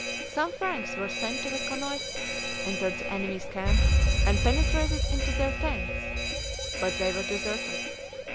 Some Franks were sent to reconnoitre, entered the enemy's camp, and penetrated into their tents; but they were deserted.